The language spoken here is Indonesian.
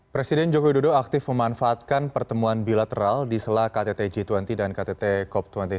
presiden joko widodo aktif memanfaatkan pertemuan bilateral di sela ktt g dua puluh dan ktt cop dua ribu sembilan belas